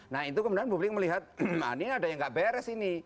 nah itu kemudian publik melihat ini ada yang gak beres ini